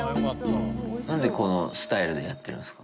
なんでこのスタイルでやってるんですか？